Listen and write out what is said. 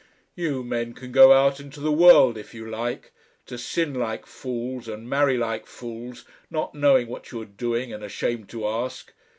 You men can go out into the world if you like, to sin like fools and marry like fools, not knowing what you are doing and ashamed to ask.